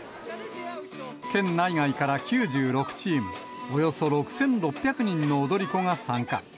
県内外から９６チーム、およそ６６００人の踊り子が参加。